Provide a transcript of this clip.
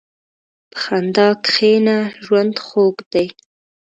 په خندا کښېنه، ژوند خوږ دی.